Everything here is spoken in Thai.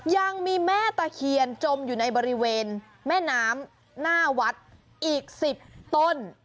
ยังมีแม่ตะเคียนจมอยู่ในบริเวณแม่น้ำหน้าวัดอีก๑๐ต้น